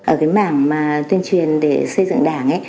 ở cái mảng tuyên truyền để xây dựng đảng